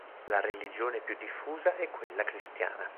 La religione più diffusa è quella Cristiana.